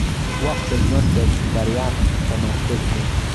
• وخت د ژوند د بریا تمرکز دی.